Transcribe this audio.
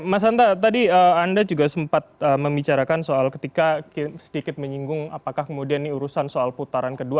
mas hanta tadi anda juga sempat membicarakan soal ketika sedikit menyinggung apakah kemudian ini urusan soal putaran kedua